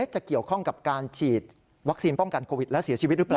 จะเกี่ยวข้องกับการฉีดวัคซีนป้องกันโควิดแล้วเสียชีวิตหรือเปล่า